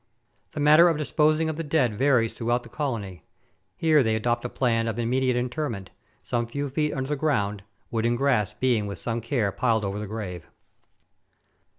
The manner of disposing of the dead varies throughout the colony ; here they adopt the plan of immediate interment, some few feet under ground, wood and grass being with some care piled over the grave.